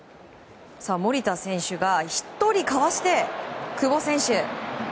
守田選手が１人かわして久保選手